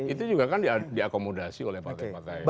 itu juga kan diakomodasi oleh partai partai